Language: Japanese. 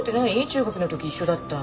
中学のとき一緒だった。